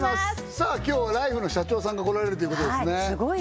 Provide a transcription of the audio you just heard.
さあ今日はライフの社長さんが来られるということですねはい